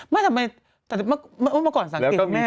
ไม่แต่เมื่อก่อนสังเกตคุณแม่